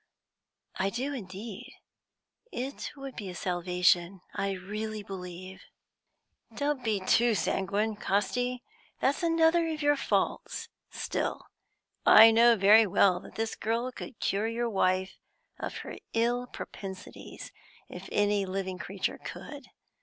"I do, indeed; it would be salvation, I really believe." "Don't be too sanguine, Casti; that's another of your faults. Still, I know very well that this girl could cure your wife of her ill propensities if any living creature could.